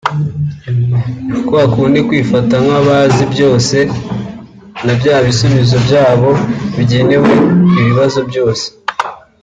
ni kwa kundi bifata nk’abazi byose na bya bisubizo byabo bigenewe ibibazo byose